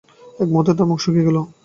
এক মুহূর্তে তার মুখ শুকিয়ে গেল।